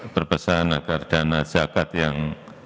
berpesan agar dana zakat yang